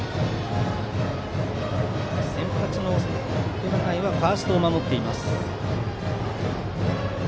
先発の熊谷はファーストを守っています。